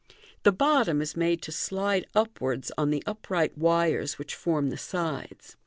The bottom is made to slide upwards on the upright wires which form the sides.